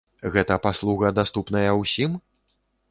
Гэта паслуга даступная ўсім?